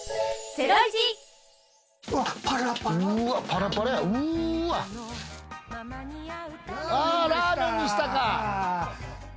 ラーメンでしたか！